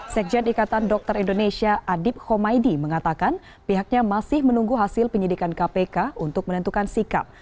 sekjen ikatan dokter indonesia adip homaidi mengatakan pihaknya masih menunggu hasil penyidikan kpk untuk menentukan sikap